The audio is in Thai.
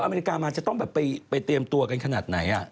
อเมริกามาจะต้องแบบไปเตรียมตัวกันขนาดไหน